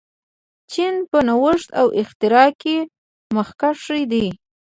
چین په نوښت او اختراع کې مخکښ دی.